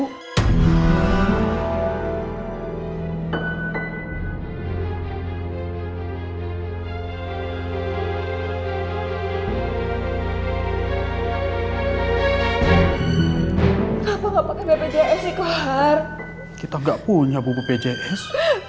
hai apa apa kejayaan sih kohar kita enggak punya buku pjs